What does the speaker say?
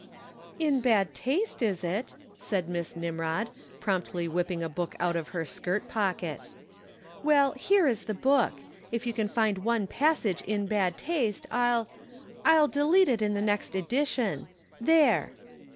"In bad taste, is it?" said Miss Nimrod, promptly whipping a book out of her skirt pocket. "Well, here is the book. If you can find one passage in bad taste I'll I'll delete it in the next edition. There!"